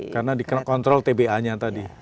karena dikontrol tba nya tadi